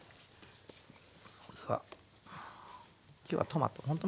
まずは今日はトマトほんと